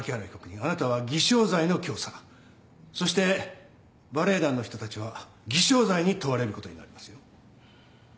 あなたは偽証罪の教唆そしてバレエ団の人たちは偽証罪に問われることになりますよ。